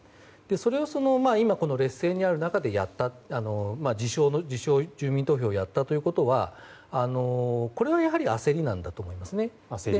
それを今、劣勢である中でやった、自称住民投票をやったということはやはり焦りなんだと思いますね。